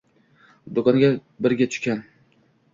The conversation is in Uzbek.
Do‘konga birga tushgan